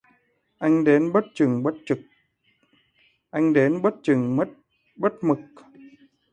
Anh đến bất chừng bất mực